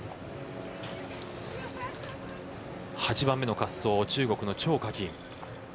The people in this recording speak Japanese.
８番目の滑走、中国の張可欣。